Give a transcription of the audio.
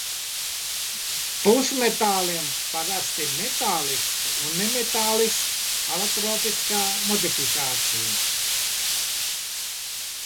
Pusmetāliem parasti ir metāliska un nemetāliska alotropiskā modifikācija.